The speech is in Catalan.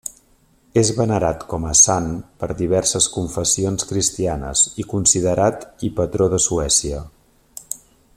És venerat com a sant per diverses confessions cristianes i considerat i patró de Suècia.